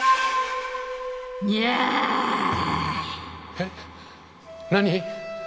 えっ？何？